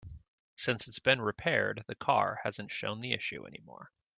Since it's been repaired, the car hasn't shown the issue any more.